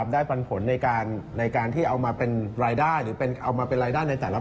ปันผลในการที่เอามาเป็นรายได้หรือเอามาเป็นรายได้ในแต่ละ